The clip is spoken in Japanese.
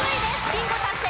ビンゴ達成。